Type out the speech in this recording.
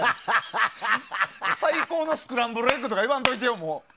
最高のスクランブルエッグとか言わんといてよ。